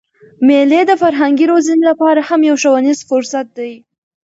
مېلې د فرهنګي روزني له پاره هم یو ښوونیز فرصت دئ.